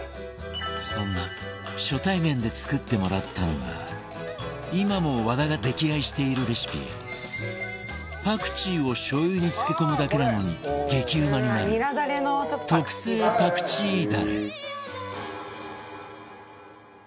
そんな初対面で作ってもらったのが今も和田が溺愛しているレシピパクチーをしょう油に漬け込むだけなのに激うまになる特製パクチーだれ